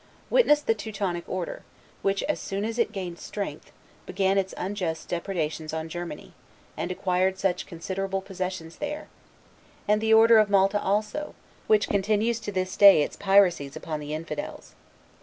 Witness the Teutonic Order, which, as soon as it gained strength, began its unjust depredations in Germany, and acquired such considerable possessions there; and the Order of Malta also, which continues to this day its piracies upon the Infidels.